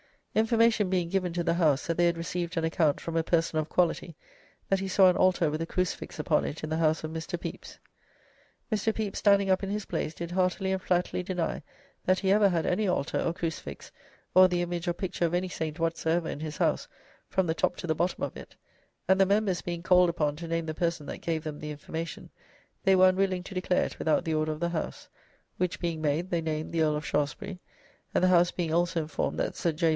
Information being given to the House that they had received an account from a person of quality, that he saw an Altar with a Crucifix upon it, in the house of Mr. Pepys; Mr. Pepys, standing up in his place, did heartily and flatly deny that he ever had any Altar or Crucifix, or the image or picture of any Saint whatsoever in his house, from the top to the bottom of it; and the Members being called upon to name the person that gave them the information, they were unwilling to declare it without the order of the House; which, being made, they named the Earl of Shaftesbury; and the House being also informed that Sir J.